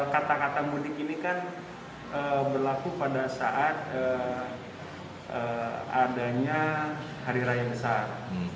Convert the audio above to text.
kata kata mudik ini kan berlaku pada saat adanya hari raya besar